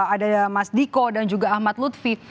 ada mas diko dan juga ahmad lutfi